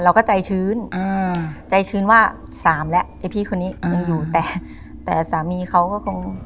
เราก็ใจชื้นอ่าใจชื้นว่าสามแล้วไอ้พี่คนนี้ยังอยู่แต่แต่สามีเขาก็คง